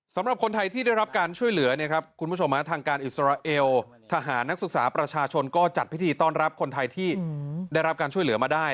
สำหรับคนไทยที่ได้รับการช่วยเหลือเนี่ยครับคุณผู้ชมทางการอิสราเอลทหารนักศึกษาประชาชนก็จัดพิธีต้อนรับคนไทยที่ได้รับการช่วยเหลือมาได้